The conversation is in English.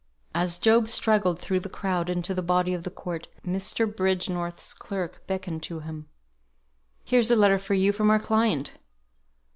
As Job struggled through the crowd into the body of the court, Mr. Bridgenorth's clerk beckoned to him. "Here's a letter for you from our client!"